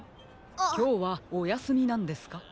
きょうはおやすみなんですか？